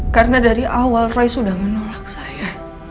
karena dari awal roy sudah menolak saya